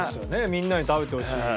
みんなに食べてほしい。